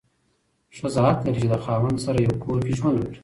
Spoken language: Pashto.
ښځه حق لري چې د خاوند سره یو کور کې ژوند وکړي.